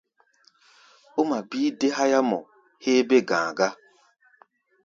Ó ŋma bíí dé háyámɔ héé bé-ga̧a̧ gá.